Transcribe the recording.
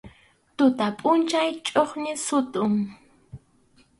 Tuta pʼunchaw chʼuqñin sutʼun.